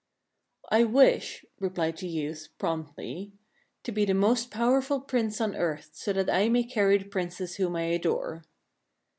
" I wish," replied the youth, promptly, " to be the most powerful Prince on earth, so that I may marry the Princess whom I adore."